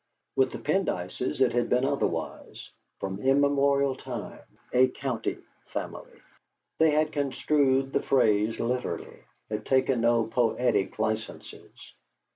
With the Pendyces it had been otherwise; from immemorial time "a county family," they had construed the phrase literally, had taken no poetical licences.